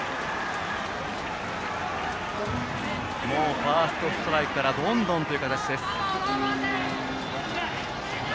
もうファーストストライクからどんどんという形です。